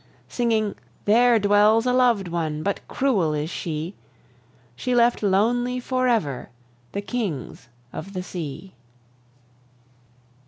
Singing: "There dwells a lov'd one, But cruel is she! She left lonely forever The kings of the sea."